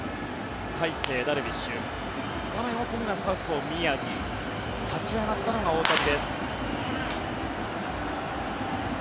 大勢、ダルビッシュ画面奥にはサウスポー、宮城立ち上がったのが大谷です。